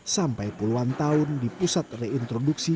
sampai puluhan tahun di pusat reintroduksi